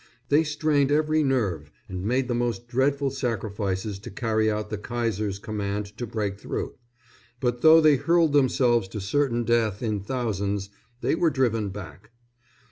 They strained every nerve and made the most dreadful sacrifices to carry out the Kaiser's command to break through; but though they hurled themselves to certain death, in thousands, they were driven back.